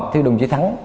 thì đồng chí thắng